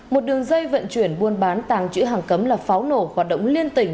một đường dây vận chuyển buôn bán tàng chữ hàng cấm là pháo nổ hoạt động liên tỉnh